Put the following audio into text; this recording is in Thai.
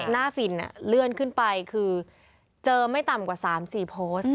หน้าฟินเลื่อนขึ้นไปคือเจอไม่ต่ำกว่า๓๔โพสต์